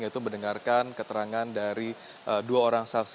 yaitu mendengarkan keterangan dari dua orang saksi